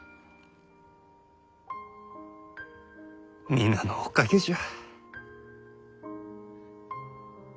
皆のおかげじゃ。